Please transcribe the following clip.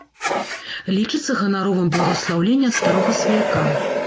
Лічыцца ганаровым бласлаўленне ад старога сваяка.